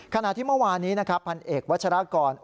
ขณะที่เมื่อวานี้พันธุ์เอกวัชรากร